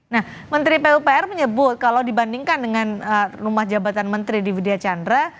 nah menteri pupr menyebut kalau dibandingkan dengan rumah jabatan menteri di widya chandra